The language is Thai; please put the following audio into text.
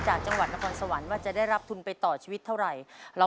จังหวัดนครสวรรค์ว่าจะได้รับทุนไปต่อชีวิตเท่าไหร่